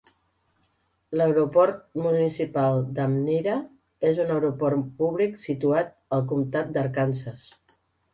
L'aeroport municipal d'Almyra és un aeroport públic situat al comtat d'Arkansas.